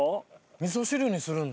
みそ汁にするんだ。